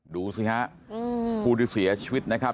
ดูสิฮะผู้ที่เสียชีวิตนะครับ